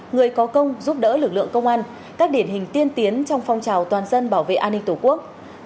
người có công giúp đỡ lực lượng công an các điển hình tiên tiến trong phong trào toàn dân bảo vệ an ninh tổ quốc